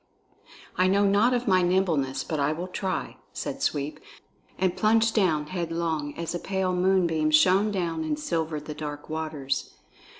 "I know not of my nimbleness, but I will try," said Sweep, and plunged down headlong, as a pale moonbeam shone down and silvered the dark waters.